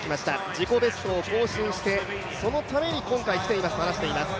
自己ベストを更新してそのために今回来ていますと話しています。